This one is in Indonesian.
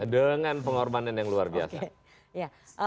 dengan pengorbanan yang luar biasa